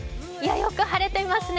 よく晴れていますね。